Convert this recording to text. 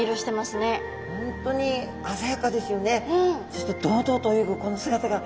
そして堂々と泳ぐこの姿が。